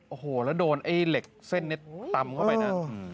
โอ้โหแล้วโดนไอ้เหล็กเส้นนี้ตำเข้าไปนะ